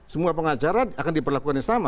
semua pengacara akan diperlakukan yang sama